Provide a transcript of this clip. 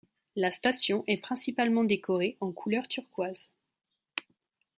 La station est principalement décorée en couleur turquoise.